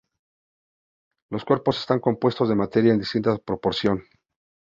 Los cuerpos están compuestos de materia en distinta proporción.